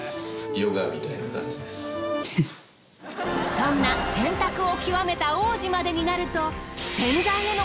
そんな洗濯を極めた王子までになると。